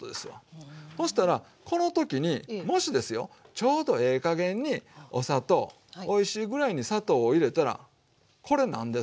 そしたらこの時にもしですよちょうどええ加減にお砂糖おいしいぐらいに砂糖を入れたらこれ何ですか？